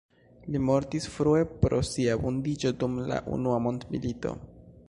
Li mortis frue pro sia vundiĝo dum la unua mondmilito.